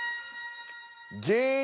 「芸人」。